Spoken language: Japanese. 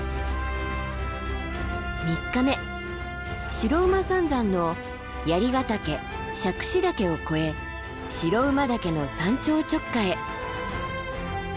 白馬三山のヶ岳杓子岳を越え白馬岳の山頂直下へ。